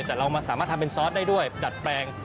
แต่เราสามารถทำเป็นซอสได้ด้วยดัดแปลง